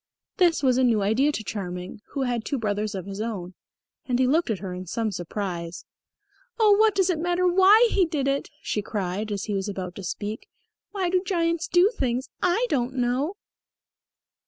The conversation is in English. This was a new idea to Charming, who had two brothers of his own; and he looked at her in some surprise. "Oh, what does it matter why he did it?" she cried, as he was about to speak. "Why do giants do things? I don't know."